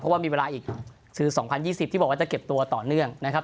เพราะว่ามีเวลาอีกคือ๒๐๒๐ที่บอกว่าจะเก็บตัวต่อเนื่องนะครับ